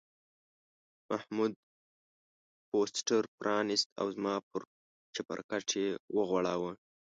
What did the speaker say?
محمود پوسټر پرانیست او زما پر چپرکټ یې وغوړاوه.